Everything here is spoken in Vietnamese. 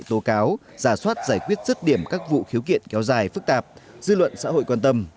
tố cáo giả soát giải quyết rứt điểm các vụ khiếu kiện kéo dài phức tạp dư luận xã hội quan tâm